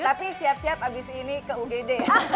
tapi siap siap abis ini ke ugd ya